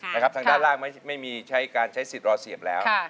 ทางด้านล่างไม่มีใช้การใช้สิทธิ์รอเสียบแล้ว